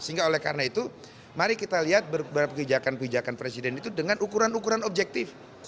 sehingga oleh karena itu mari kita lihat beberapa kebijakan kebijakan presiden itu dengan ukuran ukuran objektif